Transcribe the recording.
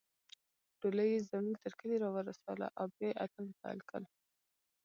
ډولۍ يې زموږ تر کلي راورسوله او بیا يې اتڼ پیل کړ